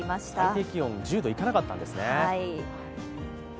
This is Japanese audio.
最低気温１０度いかなかったんですね。